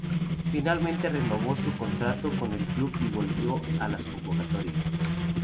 Finalmente renovó su contrato con el club y volvió a las convocatorias.